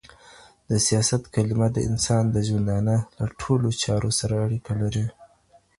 د سياست کلمه د انسان د ژوندانه له ټولو چارو سره اړيکه لري.